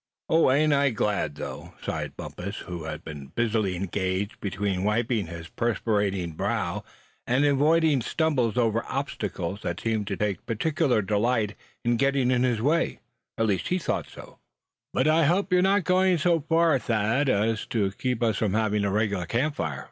"Oh! ain't I glad though," sighed Bumpus, who had been busily engaged between wiping his perspiring brow, and avoiding stumbles over obstacles that seemed to take particular delight in getting in his way, he thought. "But I hope you're not going so far, Thad, as to keep us from having our regular camp fire?"